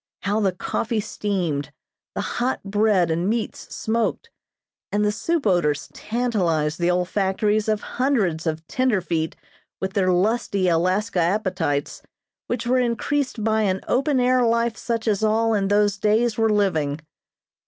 How the coffee steamed, the hot bread and meats smoked, and the soup odors tantalized the olfactories of hundreds of "tenderfeet" with their lusty Alaska appetites, which were increased by an open air life such as all in those days were living.